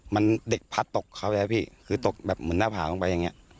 มันเด็กพัดตกเขาอะพี่คือตกแบบเหมือนหน้าผากลงไปอย่างเงี้ย